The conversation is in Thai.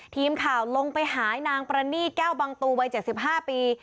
ทีมข่าวลงไปหานางปรณีแก้วบังตูวัย๗๕ปี